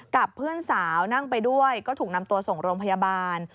กับเพื่อนสาวนั่งไปด้วยก็ถูกนำตัวส่งโรงพยาบาล